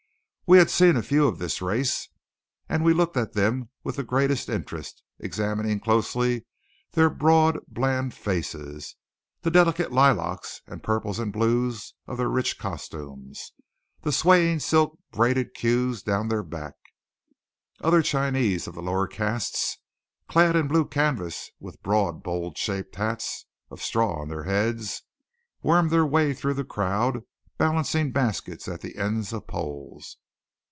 We had seen few of this race; and we looked at them with the greatest interest, examining closely their broad bland faces, the delicate lilacs and purples and blues of their rich costumes, the swaying silk braided queues down their backs. Other Chinese, of the lower castes, clad in blue canvas with broad bowl shaped hats of straw on their heads, wormed their way through the crowd balancing baskets at the ends of poles.